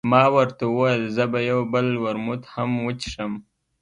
ما ورته وویل، زه به یو بل ورموت هم وڅښم.